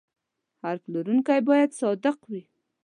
هر پلورونکی باید صادق وي.